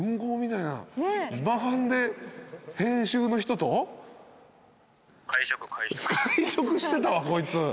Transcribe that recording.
今半で編集の人と？会食してたわこいつ。